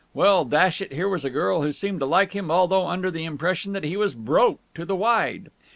Well, dash it, here was a girl who seemed to like him although under the impression that he was broke to the wide.